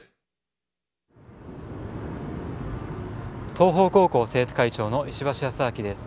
東邦高校生徒会長の石橋穏尭です。